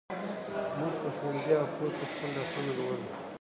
موږ په ښوونځي او کور کې خپل درسونه لولو.